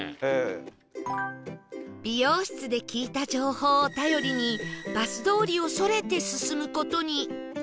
美容室で聞いた情報を頼りにバス通りをそれて進む事に